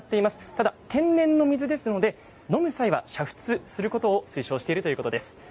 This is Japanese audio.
ただ、天然の水ですので飲む際は煮沸することを推奨しているということです。